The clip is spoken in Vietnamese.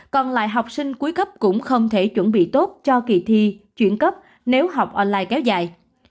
còn lại học sinh cuối cấp cũng không thể chuẩn bị tốt cho kỳ thi chuyển cấp nếu học online kéo dài